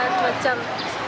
sudah dua jam